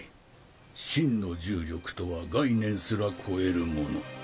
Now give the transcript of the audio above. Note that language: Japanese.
真の重力とは概念すら超えるもの。